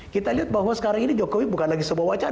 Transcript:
kita lihat bahwa sekarang ini jokowi bukan lagi sebuah wajah